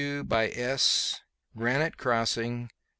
W. by S Granite crossing.